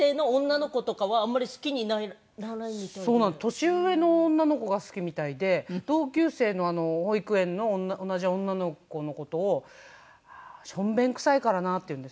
年上の女の子が好きみたいで同級生の保育園の同じ女の子の事を「ションベン臭いからな」って言うんですよ。